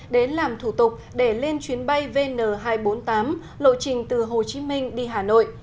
đến làm thủ tục để lên chuyến bay vn hai trăm bốn mươi tám lộ trình từ hồ chí minh đi hà nội